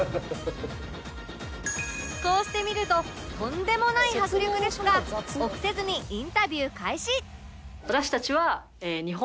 こうして見るととんでもない迫力ですが臆せずにインタビュー開始